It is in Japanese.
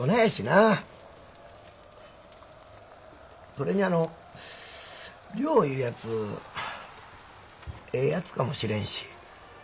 それにあの涼いうヤツええヤツかもしれんし。